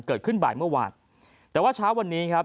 เกิดขึ้นบ่ายเมื่อวานแต่ว่าเช้าวันนี้ครับ